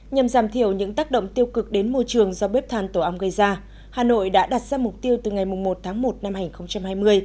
nhằm giảm thiểu những tác động tiêu cực đến môi trường do bếp than tổ ong gây ra hà nội đã đặt ra mục tiêu từ ngày một tháng một năm hai nghìn hai mươi